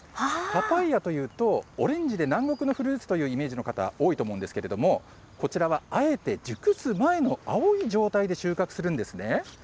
パパイアというと、オレンジで南国のフルーツというイメージの方、多いと思うんですけれども、こちらはあえて熟す前の青い状態で収穫するんですね。